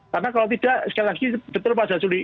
karena kalau tidak sekali lagi betul pak jasuli